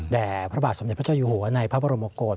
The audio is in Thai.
พระบาทสมเด็จพระเจ้าอยู่หัวในพระบรมกฏ